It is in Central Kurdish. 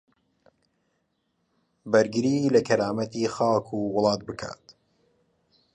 بەرگری لە کەرامەتی خاک و وڵاتی بکات